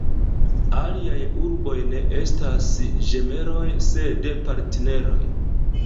Aliaj urboj ne estas ĝemeloj sed partneroj.